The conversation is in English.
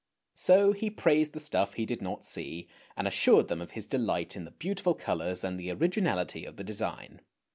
So he praised the stuff he did not see, and assured them of his delight in the beautiful colours and the originality of the design.